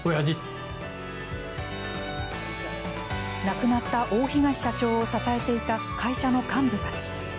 亡くなった大東社長を支えていた会社の幹部たち。